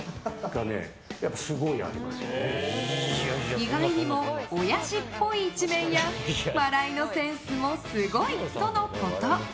意外にもオヤジっぽい一面や笑いのセンスもすごい！とのこと。